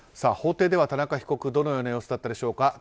法廷では田中被告どのような様子だったでしょうか。